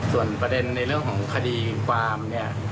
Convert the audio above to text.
ส่วนประเด็นในเรื่องของคดีความเนี่ย